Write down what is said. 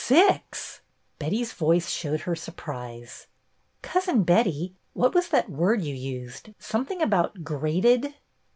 "Six!" Betty's voice showed her surprise. "Cousin Betty, what was that word you used, something about 'grated